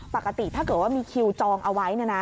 ปกติถ้าเกิดว่ามีคิวจองเอาไว้